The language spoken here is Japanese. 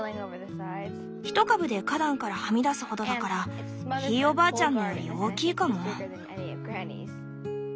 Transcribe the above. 一株で花壇からはみ出すほどだからひいおばあちゃんのより大きいかも。